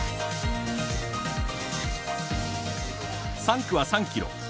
３区は３ｋｍ。